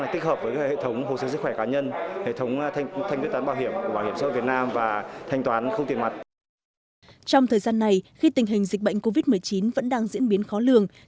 trong thời gian này khi tình hình dịch bệnh covid một mươi chín vẫn đang diễn biến khó lường